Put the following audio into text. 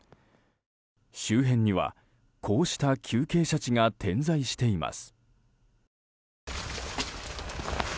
周辺にはこうした急傾斜地が点在しています。